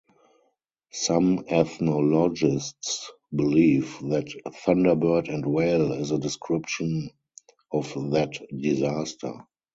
Some ethnologists believe that "Thunderbird and Whale" is a description of that disaster.